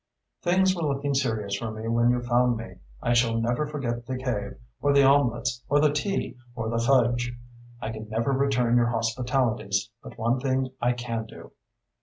Things were looking serious for me when you found me. I shall never forget the cave, or the omelets, or the tea, or the fudge. I can never return your hospitalities, but one thing I can do.